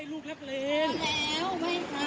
ลูกนักเล็งเหรอ